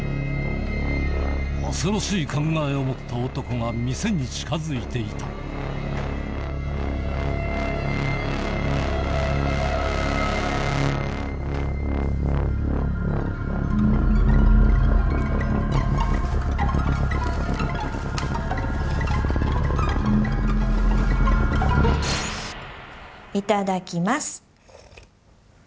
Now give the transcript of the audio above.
恐ろしい考えを持った男が店に近づいていたいただきます。